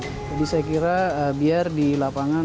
jadi saya kira biar di lapangkan